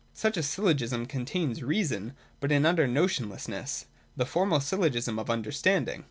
Such a Syllogism contains reason, but in utter notionlessness, — the formal Syllogism of Under standing.